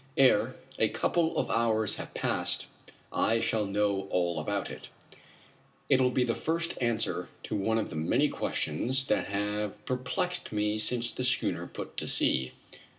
Ere a couple of hours have passed I shall know all about it. It will be the first answer to one of the many questions that have perplexed me since the schooner put to sea.